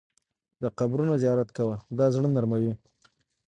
د قبرونو زیارت کوه، دا زړه نرموي.